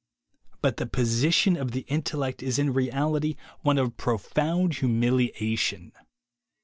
But the position of the intellect is in reality one of profound humiliation.